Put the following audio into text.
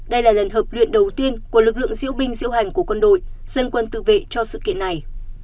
đây là lần hợp luyện đầu tiên của lực lượng diễu binh diễu hành của quân đội dân quân tự vệ cho sự kiện này